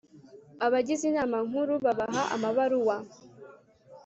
abagize inama nkuru babaha amabaruwa